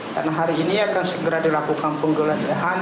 karena hari ini akan segera dilakukan penggelajahan